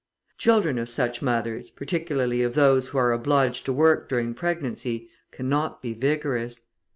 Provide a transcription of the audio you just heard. Children of such mothers, particularly of those who are obliged to work during pregnancy, cannot be vigorous.